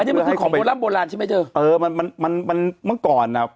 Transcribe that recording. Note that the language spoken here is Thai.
อันนี้มันเป็นของโบราณใช่ไหมเจอเออมันมันมันมันเมื่อก่อนอ่ะ